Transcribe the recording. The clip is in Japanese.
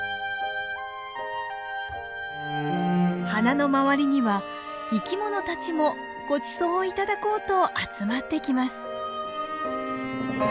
花の周りには生きものたちもごちそうを頂こうと集まってきます。